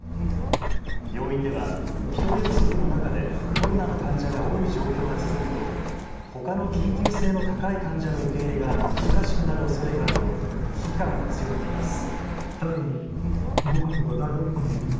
病院では人手不足の中でコロナの患者が多い状況が続くとほかの緊急性の高い患者の受け入れが難しくなるおそれがあると危機感を強めています。